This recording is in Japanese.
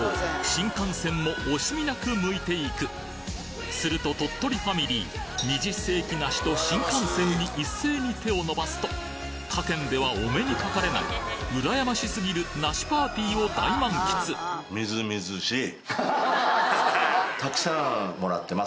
新甘泉も惜しみなく剥いていくすると鳥取ファミリー二十世紀梨と新甘泉に一斉に手を伸ばすと他県ではお目にかかれないうらやましすぎる梨パーティーを大満喫はい。